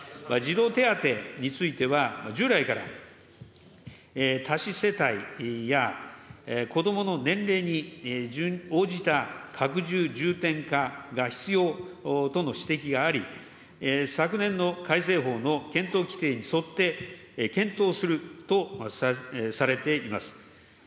児童手当については、従来から多子世帯や子どもの年齢に応じた拡充重点化が必要との指摘があり、昨年の改正法の検討規定に沿って検討するとされています。